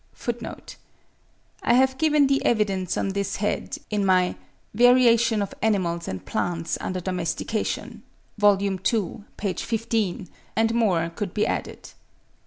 (10. I have given the evidence on this head in my 'Variation of Animals and Plants under Domestication,' vol. ii. page 15, and more could be added.)